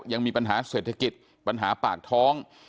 ยังมีปัญหาเศรษฐกิจปัญหาปากท้อง